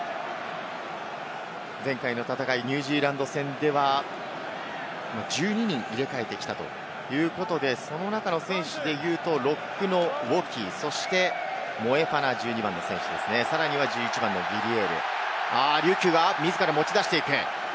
前回の戦い、ニュージーランド戦では、１２人、入れ替えてきたということで、その中の選手でいうとロックのウォキ、モエファナ、さらにヴィリエール、リュキュが自ら持ち出していく。